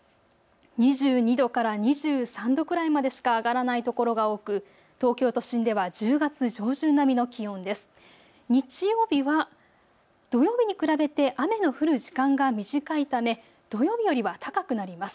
２２度から２３度くらいまでしか上がらないところが多く東京都心では１０月上旬並みの気温です。